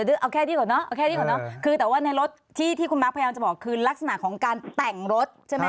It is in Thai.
เอาแค่นี้ก่อนนะคือแต่ว่าในรถที่คุณบั๊กพยายามจะบอกคือลักษณะของการแต่งรถใช่ไหม